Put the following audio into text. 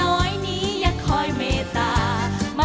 ก็จะมีความสุขมากกว่าทุกคนค่ะ